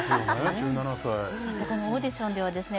１７歳このオーディションではですね